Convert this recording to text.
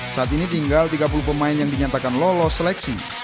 saat ini tinggal tiga puluh pemain yang dinyatakan lolos seleksi